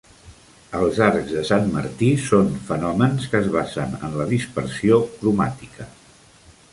Els arcs de Sant Martí són fenòmens que es basen en la dispersió cromàtica.